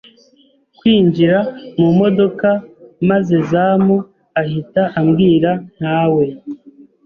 twinjira mu modoka maze Zamu ahita ambwira ntawe,